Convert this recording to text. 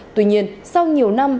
tuy nhiên sau nhiều năm